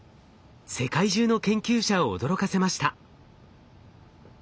世界中の研究者を驚かせました。